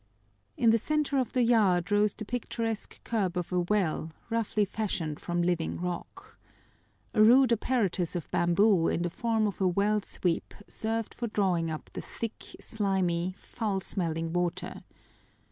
In the center of the yard rose the picturesque curb of a well, roughly fashioned from living rock. A rude apparatus of bamboo in the form of a well sweep served for drawing up the thick, slimy, foul smelling water.